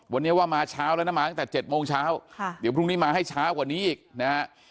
วันนี้ว่ามาเช้าแล้วนะมาตั้งแต่๗โมงเช้าค่ะเดี๋ยวพรุ่งนี้มาให้เช้ากว่านี้อีกนะฮะ